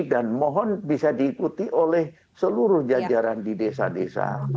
dan mohon bisa diikuti oleh seluruh jajaran di desa desa